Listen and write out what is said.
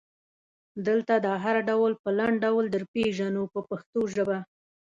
دلته دا هر ډول په لنډ ډول درپېژنو په پښتو ژبه.